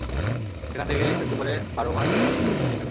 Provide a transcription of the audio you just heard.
সেখান থেকে একটু একটু করে বারো মাস পরিবারের সদস্যরা খেয়ে থাকেন।